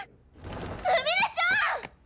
すみれちゃん！